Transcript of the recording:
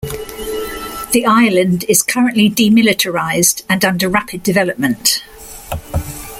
The island is currently demilitarized and under rapid development.